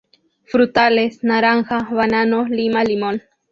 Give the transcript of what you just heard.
Frutales: naranja, banano, lima, limón.